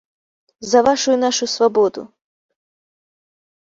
За вашу і нашу свабоду!